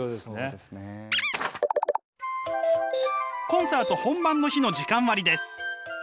コンサート本番の日の時間割です。